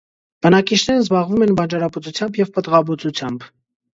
Բնակիչներն զբաղվում են բանջարաբուծությամբ և պտղաբուծությամբ։